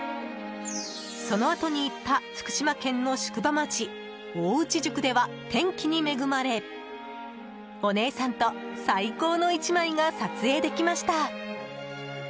そのあとに行った福島県の宿場町大内宿では天気に恵まれお姉さんと最高の１枚が撮影できました。